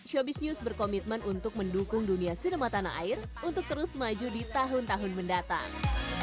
showbiz news berkomitmen untuk mendukung dunia sinema tanah air untuk terus maju di tahun tahun mendatang